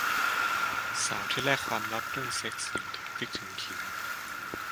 สาวที่แลกความลับเรื่องเซ็กส์อย่างถึงพริกถึงขิง